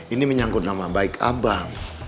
ini menyangkut nama baik abang